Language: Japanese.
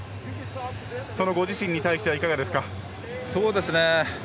そのご自身に対してはいかがですか。